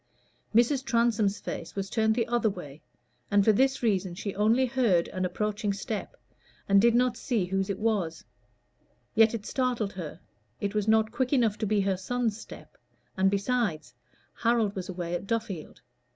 Mrs. Transome's face was turned the other way, and for this reason she only heard an approaching step, and did not see whose it was; yet it startled her: it was not quick enough to be her son's step, and besides, Harold was away at Duffield.